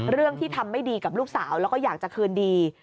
เรื่องที่ทำไม่ดีกับลูกสาวแล้วก็อยากจะคืนดี